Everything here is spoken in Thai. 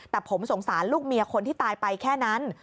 แต่ผมสงสารลูกเมียคนที่ตายไปแค่นั้น